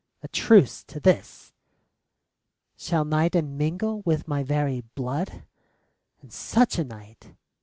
A truce to this! Shall night enmingle with my very blood — And such a night?